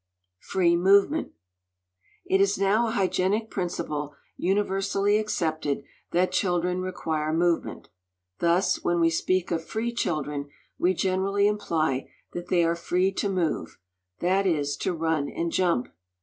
=Free movement=. It is now a hygienic principle universally accepted that children require movement. Thus, when we speak of "free children," we generally imply that they are free to move, that is, to run and jump.